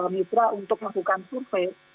mitra untuk melakukan survei